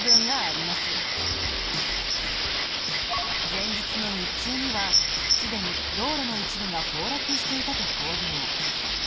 前日の日中にはすでに道路の一部が崩落していたと報道。